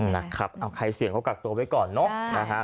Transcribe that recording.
นะครับเอาใครเสี่ยงเขากักตัวไว้ก่อนเนอะนะฮะ